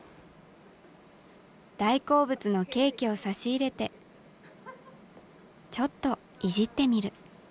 大好物のケーキを差し入れてちょっといじってみる。